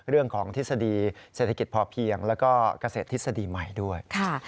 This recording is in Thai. ทฤษฎีเศรษฐกิจพอเพียงแล้วก็เกษตรทฤษฎีใหม่ด้วย